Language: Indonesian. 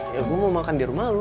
ya gue mau makan di rumah lo